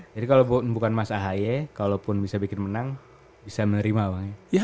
jadi kalau bukan mas ahy kalaupun bisa bikin menang bisa menerima bang ya